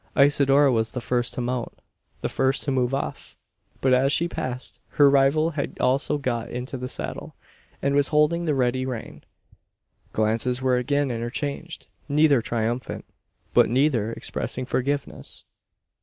Isidora was the first to mount the first to move off; but as she passed, her rival had also got into the saddle, and was holding the ready rein. Glances were again interchanged neither triumphant, but neither expressing forgiveness.